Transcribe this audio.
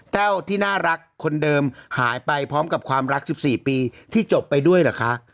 แต้วที่น่ารักคนเดิมหายไปพร้อมกับความรัก๑๔ปีที่จบไปด้วยเหรอคะ